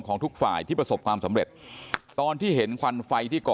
ทุกฝ่ายที่ประสบความสำเร็จตอนที่เห็นควันไฟที่ก่อ